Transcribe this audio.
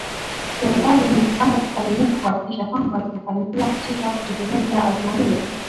Serikali imejipanga kikamilifu kuhakikisha kwamba inafanikiwa katika kutekeleza azma hiyo